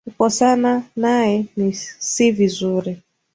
Kukosana naye si vizuri.